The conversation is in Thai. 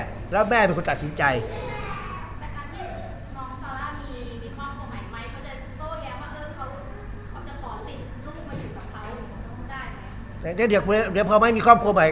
เขาจะโตแย้วว่าเออเขาเขาจะขอติดลูกมาอยู่กับเขาได้ไหมแต่เดี๋ยวเดี๋ยวพอไม่มีครอบครัวใหม่